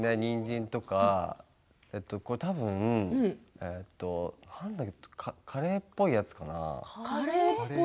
にんじんとかたぶんカレーっぽいやつかな。